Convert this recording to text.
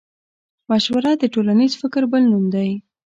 مشوره د ټولنيز فکر بل نوم دی.